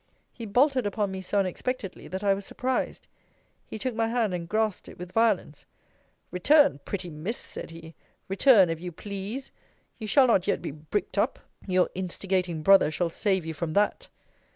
He bolted upon me so unexpectedly, that I was surprised. He took my hand, and grasped it with violence: Return, pretty Miss, said he; return, if you please. You shall not yet be bricked up. Your instigating brother shall save you from that!